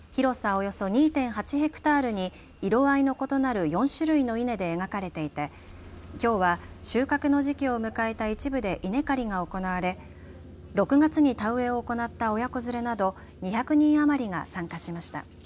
およそ２．８ヘクタールに色合いの異なる４種類の稲で描かれていて、きょうは収穫の時期を迎えた一部で稲刈りが行われ６月に田植えを行った親子連れなど２００人余りが参加しました。